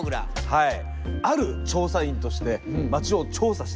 はい。